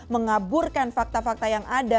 mengaburkan fakta fakta yang ada